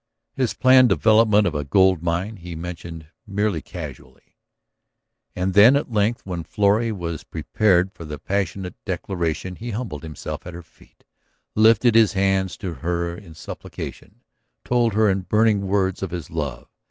His planned development of a gold mine he mentioned merely casually. And then at length when Florrie was prepared for the passionate declaration he humbled himself at her feet, lifted his hands to her in supplication, told her in burning words of his love.